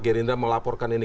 gerinda melaporkan ini